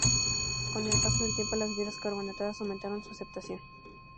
Con el paso del tiempo las bebidas carbonatadas aumentaron su aceptación.